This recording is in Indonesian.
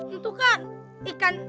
itu kan ikan